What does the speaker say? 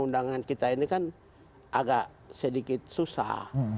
undangan kita ini kan agak sedikit susah